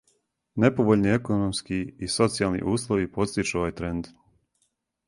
Неповољни економски и социјални услови подстичу овај тренд.